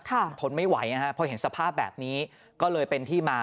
ตัดผ้าแบบนี้ก็เลยเป็นที่มา